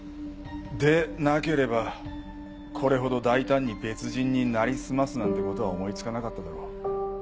でなければこれほど大胆に別人になりすますなんて事は思いつかなかっただろう。